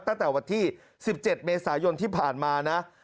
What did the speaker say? ตั้งแต่วันที่๑๗เมษายนที่ผ่านมานะ